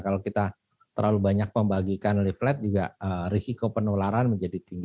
kalau kita terlalu banyak membagikan leaflet juga risiko penularan menjadi tinggi